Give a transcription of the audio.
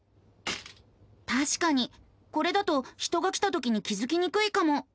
たしかにこれだと人が来たときに気付きにくいかも。